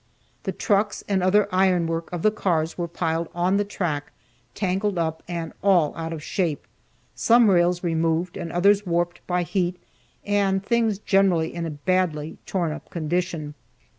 The trucks and other ironwork of the cars were piled on the track, tangled up, and all out of shape, some rails removed and others warped by heat, and things generally in a badly torn up condition.